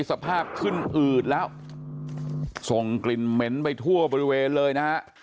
สภาพขึ้นอืดแล้วส่งกลิ่นเหม็นไปทั่วบริเวณเลยนะฮะ